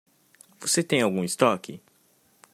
Você tem algum estoque?